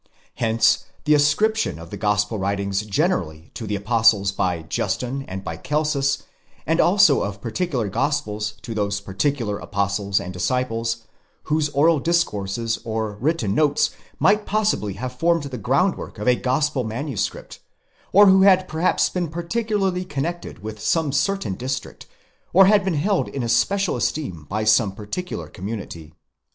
Hence the ascription of the gospel writings generally to the apostles by Justin and by Celsus ; and also of par ticular gospels to those particular apostles and disciples, whose oral discourses or written notes might possibly have formed the groundwork of a gospel manuscript, or who had perhaps been particularly connected with some certain district, or had been held in especial esteem by some particular com munity.